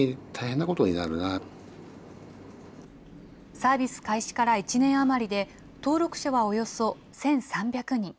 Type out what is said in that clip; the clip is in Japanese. サービス開始から１年余りで、登録者はおよそ１３００人。